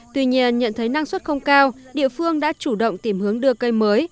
tuy nhiên nhận thấy năng suất không cao địa phương đã chủ động tìm hướng đưa cây mới